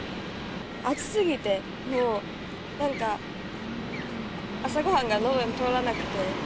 暑すぎて、もうなんか、朝ごはんがのどを通らなくて。